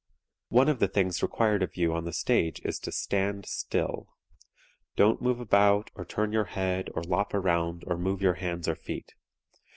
One of the things required of you on the stage is to stand still. Don't move about or turn your head or lop around or move your hands or feet.